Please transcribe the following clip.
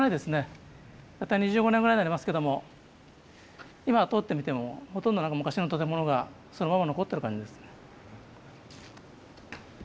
大体２５年ぐらいになりますけども今通ってみてもほとんど昔の建物がそのまま残ってる感じですね。